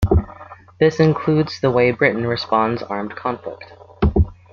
This includes the way Britain responds armed conflict.